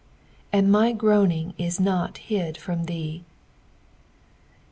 '' And my groanirtg ienot hid from tj\ee."